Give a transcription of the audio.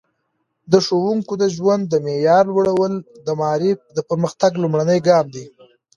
د ښوونکو د ژوند د معیار لوړول د معارف د پرمختګ لومړنی ګام دی.